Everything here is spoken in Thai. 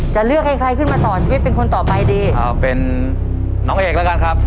จะเลือกให้ใครขึ้นมาต่อชีวิตเป็นคนต่อไปดีเอาเป็นน้องเอกแล้วกันครับ